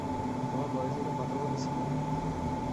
তোমার বয়স যেন কত বলেছিলে?